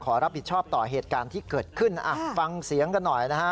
ขอรับผิดชอบต่อเหตุการณ์ที่เกิดขึ้นฟังเสียงกันหน่อยนะฮะ